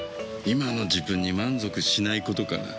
今の自分に満足しないことかな。